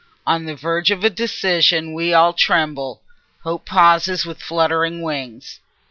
On the verge of a decision we all tremble: hope pauses with fluttering wings.